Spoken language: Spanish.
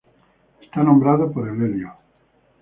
Está nombrado por el helio.